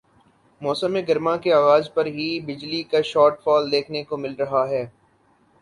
موسم گرما کے آغاز پر ہی بجلی کا شارٹ فال دیکھنے کو مل رہا ہے